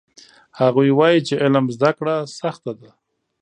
هغوی وایي چې علم زده کړه سخته ده